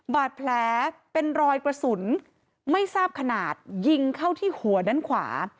บาดแผลเป็นรอยกระสุนไม่ทราบขนาดยิงเข้าที่หัวด้านขวา